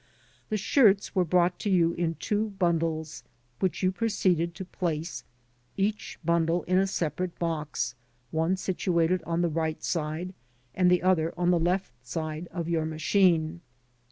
The shirts were brought to you in two bundles, which you proceeded to place, each bundle in a separate box, one situated on the right side and the other on the left side of your machine.